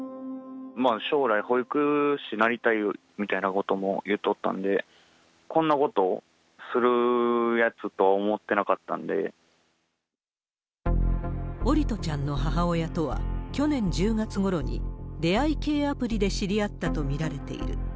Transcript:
将来、保育士になりたいみたいなこともいっとったんで、こんなことをす桜利斗ちゃんの母親とは、去年１０月ごろに出会い系アプリで知り合ったと見られている。